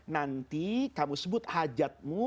nanti kamu sebut hajatmu